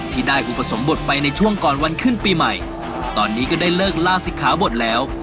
ที่ได้อุปสมบทไปในช่วงก่อนวันขึ้นปีใหม่ตอนนี้ก็ได้เลิกลาศิกขาบทแล้ว